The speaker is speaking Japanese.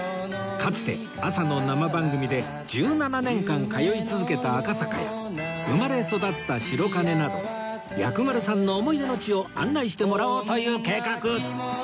かつて朝の生番組で１７年間通い続けた赤坂や生まれ育った白金など薬丸さんの思い出の地を案内してもらおうという計画